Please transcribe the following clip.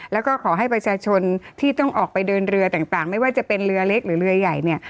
แล้วก็ขอให้ประชาชนที่ต้องออกไปเดินเรือต่างไม่ว่าจะเป็นเรือเล็กหรือเรือใหญ่เนี่ย